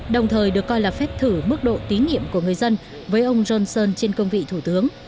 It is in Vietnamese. đồng thời được coi là phép thử mức độ tí nghiệm của người dân với ông johnson trên công vị thủ tướng